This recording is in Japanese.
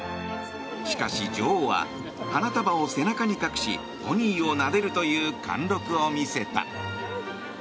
しかし、女王は花束を背中に隠しポニーをなでるという貫録を見せた。